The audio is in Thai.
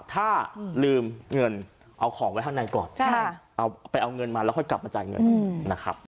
ถ้าลืมเงินเอาของไว้ข้างในก่อนเอาไปเอาเงินมาแล้วค่อยกลับมาจ่ายเงินนะครับ